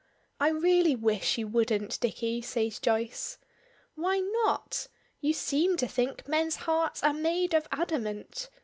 "I really wish you wouldn't, Dicky," says Joyce. "Why not? You seem to think men's hearts are made of adamant!